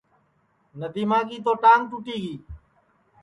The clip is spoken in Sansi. ندیما کی تو ٹانگ ٹُوٹی گی